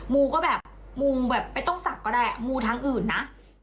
ูก็แบบมูแบบไม่ต้องศักดิ์ก็ได้มูทางอื่นนะ